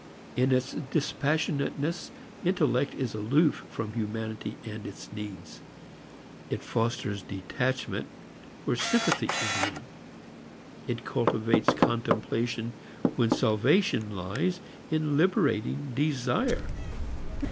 In its dispassionateness intellect is aloof from humanity and its needs. It fosters detachment where sympathy is needed. It cultivates contemplation when salvation lies in liberating desire.